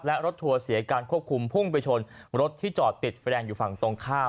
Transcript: และรถทัวร์เสียการควบคุมพุ่งไปชนรถที่จอดติดแฟนอยู่ฝั่งตรงข้าม